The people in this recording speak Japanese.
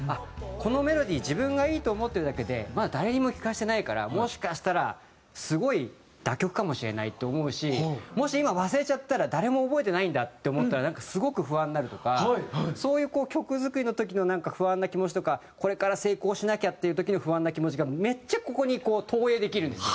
このメロディー自分がいいと思ってるだけでまだ誰にも聴かせてないからもしかしたらすごい駄曲かもしれないって思うしもし今忘れちゃったら誰も覚えてないんだって思ったらすごく不安になるとかそういう曲作りの時の不安な気持ちとかこれから成功しなきゃっていう時の不安な気持ちがめっちゃここにこう投影できるんですよ。